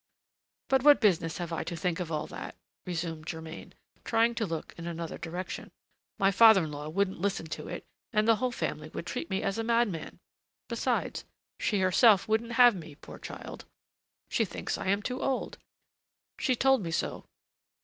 "But what business have I to think of all that?" resumed Germain, trying to look in another direction. "My father in law wouldn't listen to it, and the whole family would treat me as a madman! Besides, she herself wouldn't have me, poor child! She thinks I am too old: she told me so.